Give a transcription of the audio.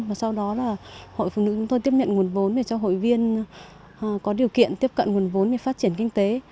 và sau đó là hội phụ nữ chúng tôi tiếp nhận nguồn vốn để cho hội viên có điều kiện tiếp cận nguồn vốn để phát triển kinh tế